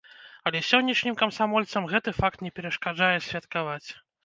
Але сённяшнім камсамольцам гэты факт не перашкаджае святкаваць.